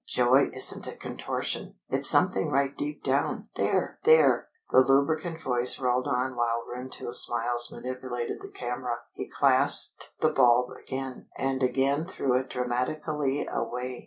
Joy isn't a contortion. It's something right deep down. There, there!" The lubricant voice rolled on while Rentoul Smiles manipulated the camera. He clasped the bulb again, and again threw it dramatically away.